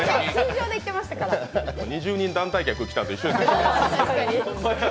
２０人の団体客が来たのと一緒ですから。